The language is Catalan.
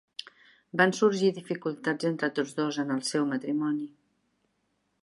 Van sorgir dificultats entre tots dos en el seu matrimoni.